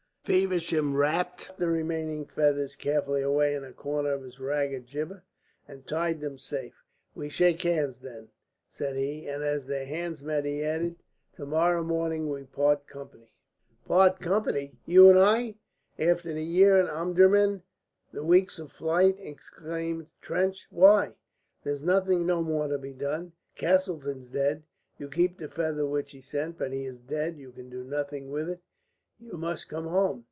Feversham wrapped the remaining feathers carefully away in a corner of his ragged jibbeh and tied them safe. "We shake hands, then," said he; and as their hands met he added, "To morrow morning we part company." "Part company, you and I after the year in Omdurman, the weeks of flight?" exclaimed Trench. "Why? There's no more to be done. Castleton's dead. You keep the feather which he sent, but he is dead. You can do nothing with it. You must come home."